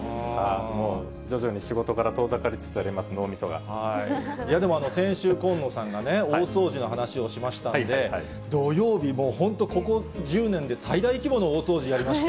もう徐々に、仕事から遠ざかりついや、でも先週、近野さんがね、大掃除の話をしましたんで、土曜日、もう本当、ここ１０年で最大規模の大掃除やりまして。